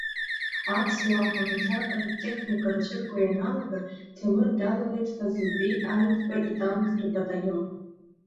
Аԥсуаа ҳаӷацәа ртехника рцәырго ианалага, Ҭемыр далалеит Фазылбеи Аҩӡба итанктә баталион.